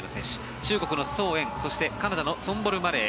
中国のソウ・エンそしてカナダのソンボル・マレー。